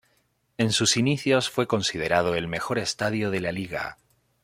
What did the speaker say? En sus inicios, fue considerado el mejor estadio de la liga.